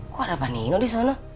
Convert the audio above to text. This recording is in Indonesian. kok ada pak nino disana